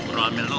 perlu ambil lo